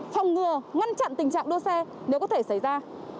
phòng ngừa ngăn chặn tình trạng đua xe nếu có thể xảy ra